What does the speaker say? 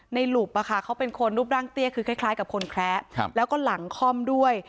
หลุบเขาเป็นคนรูปร่างเตี้ยคือคล้ายกับคนแคระแล้วก็หลังคล่อมด้วย